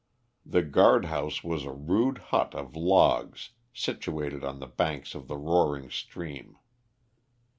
The guard house was a rude hut of logs situated on the banks of the roaring stream.